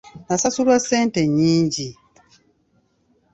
Nasasulwa ssente nnyingi .